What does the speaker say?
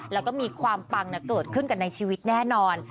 แล้วก็มีความปังเกิดขึ้นกันในชีวิตแน่นอน